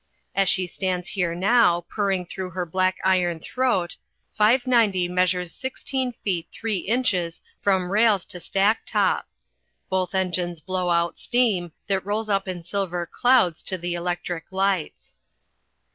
As she stands here now, purring through her black iron throat, 590 measures sixteen feet three inches from rails to stack top. Both engines blow out steam, that rolls up in silver clouds to the electric lights.